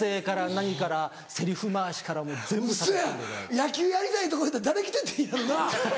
野球やりたいとかやったら誰来ててんやろな？